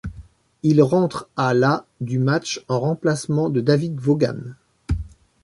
Il rentre à la du match en remplacement de David Vaughan.